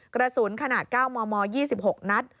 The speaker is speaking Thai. กระสุนขนาด๙มม๒๖นัด